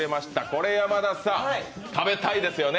これ山田さん、食べたいですよね？